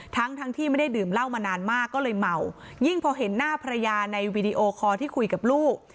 ทั้งทั้งที่ไม่ได้ดื่มเหล้ามานานมากก็เลยเมายิ่งพอเห็นหน้าภรรยาในวีดีโอคอร์ที่คุยกับลูก